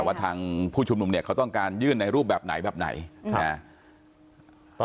ว่าทางผู้ชุมนุมเนี่ยเขาต้องการยื่นในรูปแบบไหนแบบไหนนะ